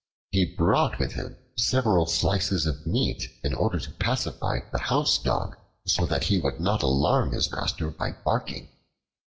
He brought with him several slices of meat in order to pacify the Housedog, so that he would not alarm his master by barking.